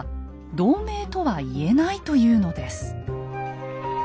同盟とは言えないというのです。